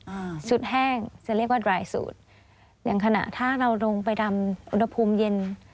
อ่าชุดแห้งจะเรียกว่าดรายสูตรอย่างขณะถ้าเราลงไปดำอุณหภูมิเย็น